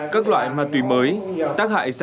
các loại ma túy mới tác hại ra sau